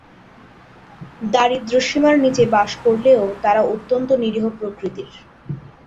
দারিদ্র্য সীমার নিচে বাস করলেও তারা অত্যন্ত নিরীহ প্রকৃতির।